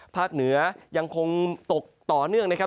เหนือยังคงตกต่อเนื่องนะครับ